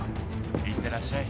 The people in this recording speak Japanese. いってらっしゃい。